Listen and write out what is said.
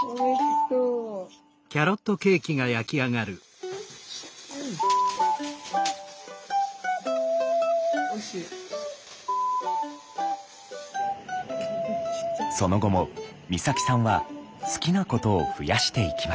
その後も光沙季さんは好きなことを増やしていきました。